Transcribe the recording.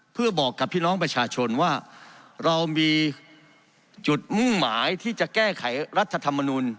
เพื่อบอกกับพี่น้องประชาชนว่าเรามีจุดมุ่งหมายที่จะแก้ไขรัฐธรรมนุน